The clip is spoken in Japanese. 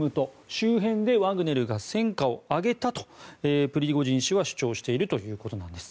周辺でワグネルが戦果を上げたとプリゴジン氏は主張しているということなんです。